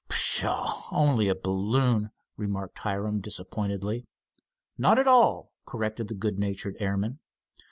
"Pshaw! only a balloon!" remarked Hiram disappointedly. "Not at all," corrected the good natured airman.